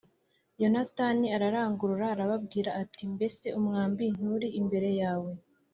Yonatani ararangurura aramubwira ati “Mbese umwambi nturi imbere yawe?”